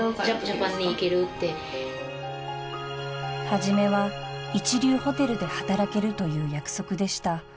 ［初めは一流ホテルで働けるという約束でした］